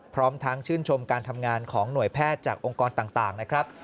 พร้อมทั้งชื่นชมการทำงานของหน่วยแพทย์จากองค์กรต่างนะครับ